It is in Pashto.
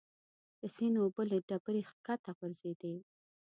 د سیند اوبه له ډبرې ښکته غورځېدې.